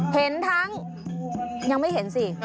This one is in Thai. เห็นทั้งยังไม่เห็นสิ